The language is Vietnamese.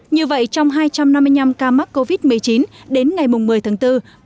như vậy trong hai trăm năm mươi năm ca mắc covid một mươi chín đến ngày một mươi tháng bốn